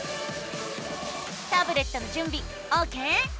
タブレットのじゅんびオーケー？